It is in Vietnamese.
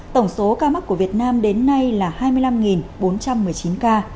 tổng số ca mắc của việt nam đến nay là hai mươi năm bốn trăm một mươi chín ca